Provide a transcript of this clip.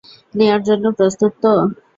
নেয়ার জন্য প্রস্তুত তো?